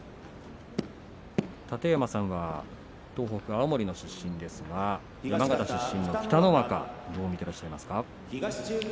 楯山さんは東北・青森ご出身ですが山形出身の北の若をどう見ていますか。